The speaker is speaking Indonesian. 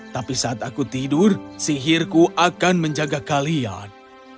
tapi saat aku tidur sihirku akan menjaga kalian